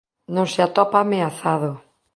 Non se atopa ameazado.